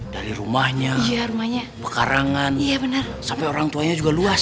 dari rumahnya pekarangan sampai orang tuanya juga luas